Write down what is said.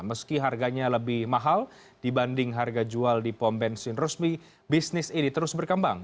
meski harganya lebih mahal dibanding harga jual di pom bensin resmi bisnis ini terus berkembang